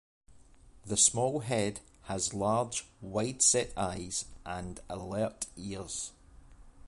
The small head has large, wide-set eyes and alert ears.